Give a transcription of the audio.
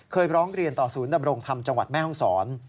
ร้องเรียนต่อศูนย์ดำรงธรรมจังหวัดแม่ห้องศร